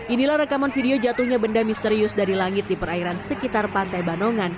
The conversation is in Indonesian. inilah rekaman video jatuhnya benda misterius dari langit di perairan sekitar pantai banongan